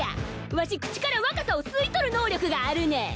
わし口から若さを吸い取る能力があるねん。